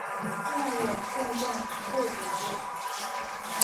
庙也供俸惭愧祖师。